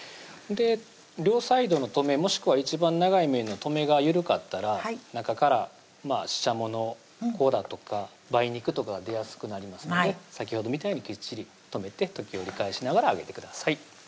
両サイドの留めもしくは一番長い面の留めが緩かったら中からししゃもの子だとか梅肉とかが出やすくなりますので先ほどみたいにきっちり留めて時折返しながら揚げてください